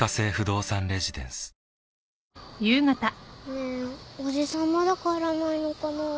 ねえおじさんまだ帰らないのかな？